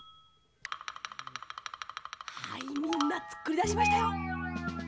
はいみんなつくりだしましたよ！